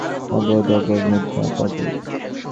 অবোধ, অবোধ, নিতান্ত অবোধ!